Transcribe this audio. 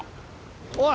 おい。